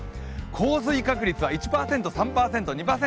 降水確率は１％、３％、２％。